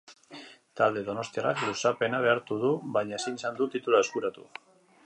Talde donostiarrak luzapena behartu du, baina ezin izan du titulua eskuratu.